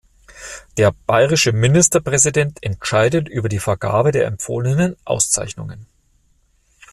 Der bayerische Ministerpräsident entscheidet über die Vergabe der empfohlenen Auszeichnungen.